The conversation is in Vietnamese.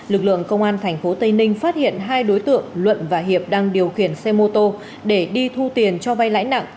lực lượng công an tp tây ninh phát hiện hai đối tượng luận và hiệp đang điều khiển xe mô tô để đi thu tiền cho vay lãi nặng